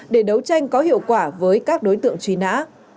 để đấu tranh có hiệu quả với các đối tượng truy nã